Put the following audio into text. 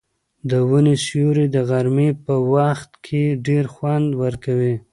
د ونې سیوری د غرمې په وخت کې ډېر خوند ورکوي.